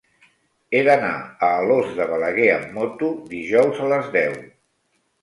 He d'anar a Alòs de Balaguer amb moto dijous a les deu.